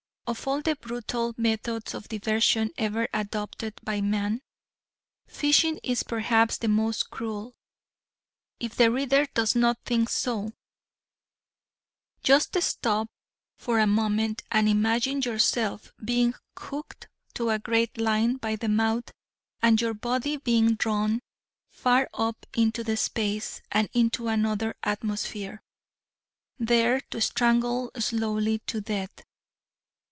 Of all the brutal methods of diversion ever adopted by man, fishing is perhaps the most cruel. If the reader does not think so, just stop for a moment and imagine yourself being hooked to a great line by the mouth and your body being drawn far up into space and into another atmosphere, there to strangle slowly to death.